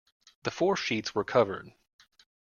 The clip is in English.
The four sheets were covered.